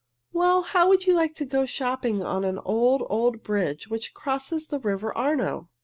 "Well, how would you like to go shopping on an old, old bridge which crosses the river Arno?"